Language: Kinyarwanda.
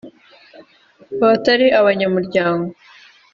Abatari abanyamuryango